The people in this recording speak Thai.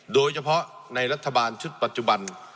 โดยเฉพาะในรัฐบาลชุดปัจจุบัน